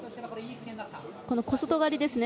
小外刈りですね。